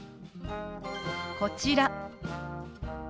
こちら。